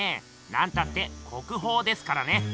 なんたって国宝ですからね。